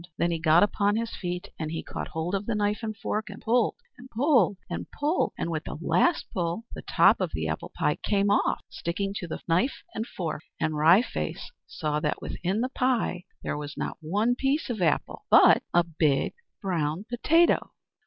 Then he got upon his feet, and he caught hold of the knife and fork and pulled, and pulled, and pulled. And with the last pull the top of the apple pie came off, sticking to the knife and fork, and Wry Face saw that within the pie there was not one piece of apple, but a big brown potato!